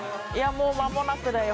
もう間もなくだよ